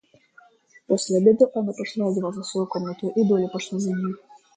После обеда Анна пошла одеваться в свою комнату, и Долли пошла за ней.